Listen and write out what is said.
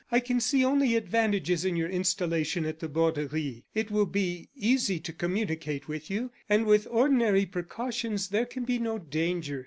I can see only advantages in your installation at the Borderie. It will be easy to communicate with you; and with ordinary precautions there can be no danger.